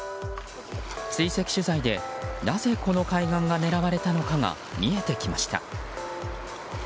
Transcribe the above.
追跡取材で、なぜこの海岸が狙われたのかが見えてきました。